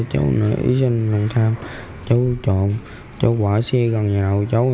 cháu đi sang đoàn thang cháu trộm cháu quả xe gần nhà nậu